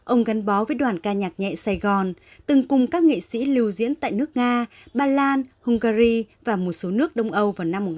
ông gắn bó với đoàn ca nhạc nhẹ sài gòn từng cùng các nghệ sĩ lưu diễn tại nước nga ba lan hungary và một số nước đông âu vào năm một nghìn chín trăm bảy mươi